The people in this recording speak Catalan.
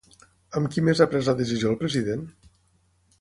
Amb qui més ha pres la decisió el president?